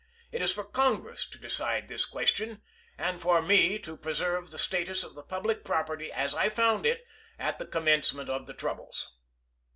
It is for Con gress to decide this question, and for me to preserve the status of the public property as I found it at the com mencement of the troubles.